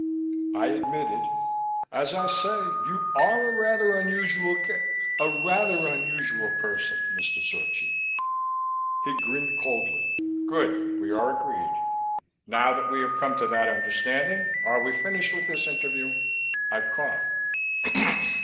I admitted, "As I say, you are a rather unusual ca a rather unusual person, Mr. Zorchi." He grinned coldly. "Good. We are agreed. Now that we have come to that understanding, are we finished with this interview?" I coughed.